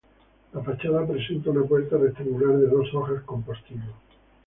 La fachada presenta una puerta rectangular de dos hojas, con postigo.